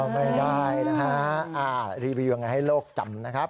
ไม่ได้นะฮะรีวิวยังไงให้โลกจำนะครับ